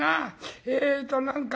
えっと何か。